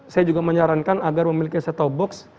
saya juga menyarankan agar memiliki seto box